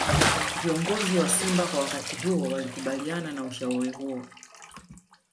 Viongozi wa Simba kwa wakati huo walikubaliana na ushauri huo